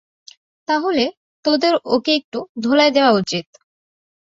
তাহলে, তোদের ওকে একটু ধোলাই দেয়া উচিত।